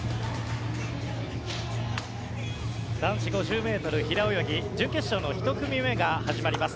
男子５０ｍ平泳ぎ準決勝の１組目が始まります。